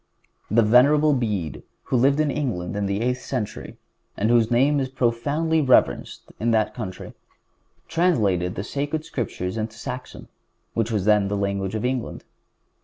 The Venerable Bede, who lived in England in the eighth century, and whose name is profoundly reverenced in that country, translated the Sacred Scriptures into Saxon, which was then the language of England.